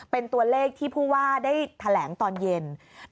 เป็นตัวเลขที่ผู้ว่าได้แถลงตอนเย็น